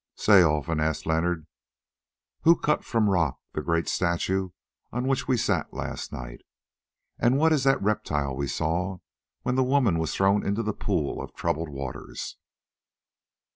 "Say, Olfan," asked Leonard, "who cut from the rock the great statue on which we sat last night, and what is that reptile we saw when the woman was thrown into the pool of troubled waters?"